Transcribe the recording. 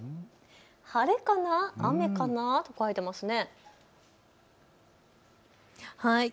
晴れかな、雨かな書いていますね。